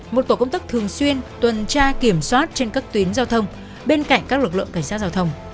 một tổ công tác thường xuyên tuần tra kiểm soát trên các tuyến giao thông bên cạnh các lực lượng cảnh sát giao thông